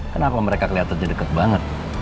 kenapa mereka kelihatannya dekat banget